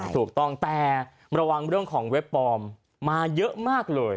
ถูกต้องแต่ระวังเรื่องของเว็บปลอมมาเยอะมากเลย